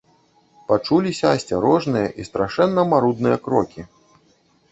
Пачуліся асцярожныя і страшэнна марудныя крокі.